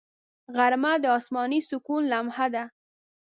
غرمه د آسماني سکون لمحه ده